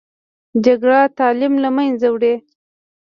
جګړه تعلیم له منځه وړي